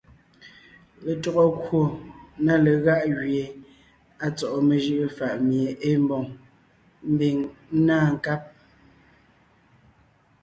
Letÿɔgɔ kwò na legáʼ gẅie à tsɔ́ʼɔ mejʉʼʉ fàʼ mie ée mbòŋ, ḿbiŋ ńná nkáb,